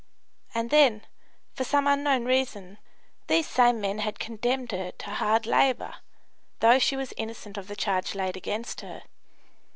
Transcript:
And then, for some unknown reason, these same men had condemned her to hard labour, though she was innocent of the charge laid against her.